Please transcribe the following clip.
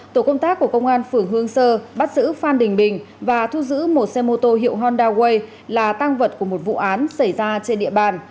tổ công tác của công an phường hương sơ bắt giữ phan đình bình và thu giữ một xe mô tô hiệu honda way là tăng vật của một vụ án xảy ra trên địa bàn